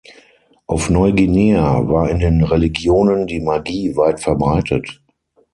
Auf Neuguinea war in den Religionen die Magie weit verbreitet.